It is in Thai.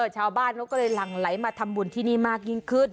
ชาวบ้านเขาก็เลยหลั่งไหลมาทำบุญที่นี่มากยิ่งขึ้น